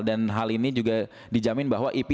dan hal ini juga dijamin bahwa ip